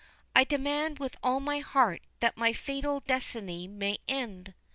I demand with all my heart that my fatal destiny may end.'